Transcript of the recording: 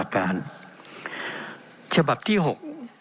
เป็นของสมาชิกสภาพภูมิแทนรัฐรนดร